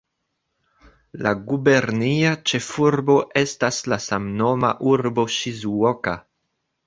La gubernia ĉefurbo estas la samnoma urbo Ŝizuoka.